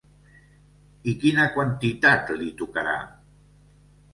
I quina quantitat li tocarà?